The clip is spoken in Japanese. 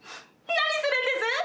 「何するんです！？」。